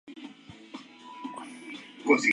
Enviaba semillas a Dalhousie Castle para sus jardines.